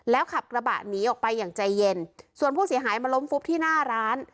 ขับกระบะหนีออกไปอย่างใจเย็นส่วนผู้เสียหายมาล้มฟุบที่หน้าร้าน